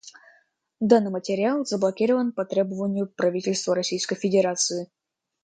Данный материал заблокирован по требованию Правительства Российской Федерации.